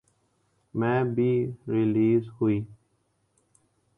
میں بھی ریلیز ہوئی